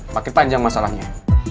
makin panjang masalahnya